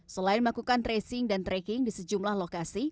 selain melakukan tracing dan tracking di sejumlah lokasi